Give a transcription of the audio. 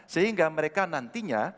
sehingga mereka nantinya